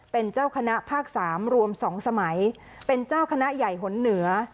เป็นเจ้าคณะภาค๓รวม๒สมัยเป็นเจ้าคณะใหญ่หนเหนือ